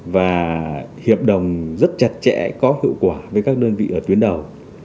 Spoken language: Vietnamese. và hiệp đồng rất chặt chẽ có hiệu quả với các đơn vị ở tuyến đầu